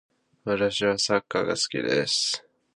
私はサッカーが好きです。